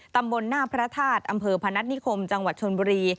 ตำบลหน้าพระธาตุอำเภอพนัฐนิคมจังหวัดชนบุรี